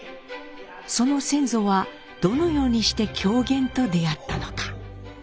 その先祖はどのようにして狂言と出会ったのか？